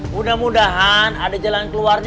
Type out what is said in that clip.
mudah mudahan ada jalan keluarnya